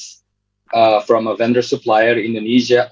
dari pengeluar pengeluar di indonesia